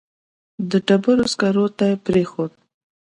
د ډبرو سکرو ته پرېښود.